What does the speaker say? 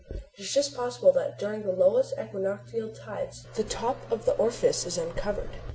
It is just possible that during the lowest equinoctial tides the top of the orifice is uncovered.